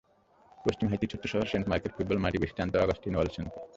পশ্চিম হাইতির ছোট্ট শহর সেন্ট মার্কের ফুটবল মাঠই বেশি টানত অগাস্টিন ওয়ালসনকে।